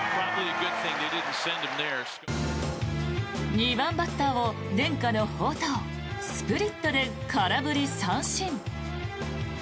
２番バッターを伝家の宝刀スプリットで空振り三振。